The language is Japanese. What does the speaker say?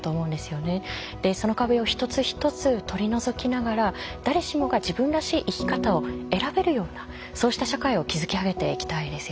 でその壁を一つ一つ取り除きながら誰しもが自分らしい生き方を選べるようなそうした社会を築き上げていきたいですよね。